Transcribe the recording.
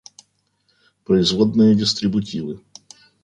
Производные дистрибутивы